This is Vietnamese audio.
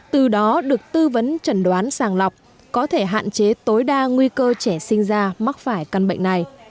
từ đó được tư vấn trần đoán sang lọc có thể hạn chế tối đa nguy cơ trẻ sinh ra mắc bệnh